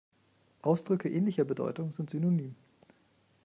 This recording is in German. Ausdrücke ähnlicher Bedeutung sind synonym.